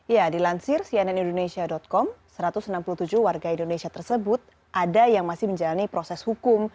ya dilansir cnn indonesia com satu ratus enam puluh tujuh warga indonesia tersebut ada yang masih menjalani proses hukum